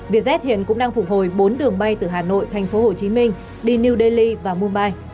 vietjet hiện cũng đang phục hồi bốn đường bay từ hà nội tp hcm đi new delhi và mumbai